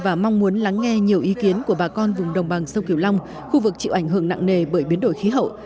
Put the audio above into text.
và mong muốn lắng nghe nhiều ý kiến của bà con vùng đồng bằng sông kiều long khu vực chịu ảnh hưởng nặng nề bởi biến đổi khí hậu